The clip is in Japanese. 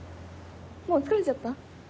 もう疲れちゃった？